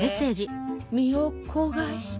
「身を焦がして」。